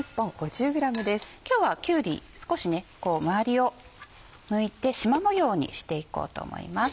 今日はきゅうり少し回りをむいてしま模様にしていこうと思います。